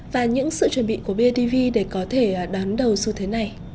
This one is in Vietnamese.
và những sự chuẩn bị của bidv để có thể đón đầu xu thế này